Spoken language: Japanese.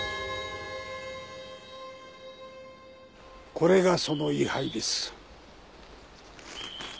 これがその位牌です。